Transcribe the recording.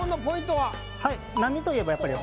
はい。